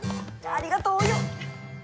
ありがとうお葉！